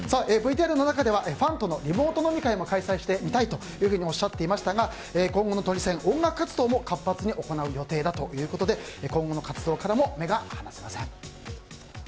ＶＴＲの中ではファンとのリモート飲み会も開催してみたいというふうにおっしゃっていましたが今後のトニセン、音楽活動も活発に行う予定だということで今後の活動からも目が離せません。